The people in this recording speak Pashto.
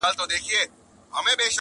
ما دي څڼي تاوولای،